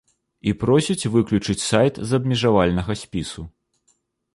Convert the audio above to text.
І просіць выключыць сайт з абмежавальнага спісу.